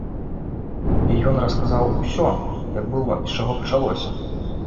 І ён расказаў усё, як было і з чаго пачалося.